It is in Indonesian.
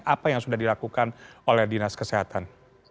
apa yang sudah dilakukan oleh dinas kesehatan